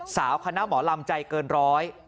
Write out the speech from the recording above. คณะหมอลำใจเกินร้อย